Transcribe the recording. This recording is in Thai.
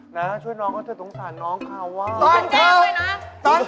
วันหลังเอาลูกเหม็นใส่ไว้ใดเข้านะ